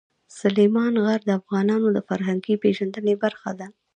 سلیمان غر د افغانانو د فرهنګي پیژندنې برخه ده.